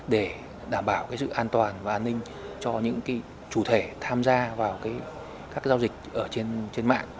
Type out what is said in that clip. để đảm bảo sự an toàn và an ninh cho những chủ thể tham gia vào các giao dịch ở trên mạng